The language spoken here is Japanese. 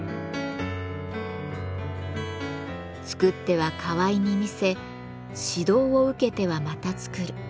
作っては河井に見せ指導を受けてはまた作る。